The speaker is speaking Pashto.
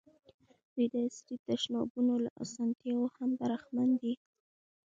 دوی د عصري تشنابونو له اسانتیاوو هم برخمن دي.